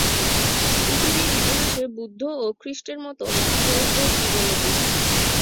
পৃথিবীর ইতিহাসে বুদ্ধ ও খ্রীষ্টের মত মহাপুরুষদের জীবনেতিহাস।